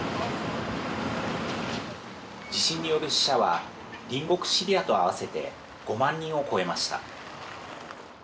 地震による死者は隣国シリアと合わせて５万人を超えました。